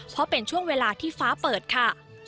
เพราะเป็นช่วงเวลาที่ฟ้าเปิดค่ะ